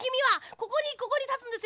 ここにここにたつんですよ